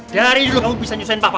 dari dulu kamu bisa nyusahin papa aja